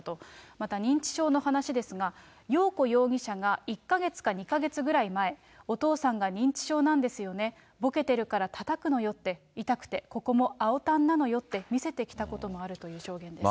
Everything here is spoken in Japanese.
また認知症の話ですが、よう子容疑者が１か月か２か月ぐらい前、お父さんが認知症なんですよね、ぼけてるからたたくのよって、痛くて、ここも青たんなのよって、見せてきたこともあるという証言です。